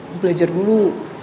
lo belajar dulu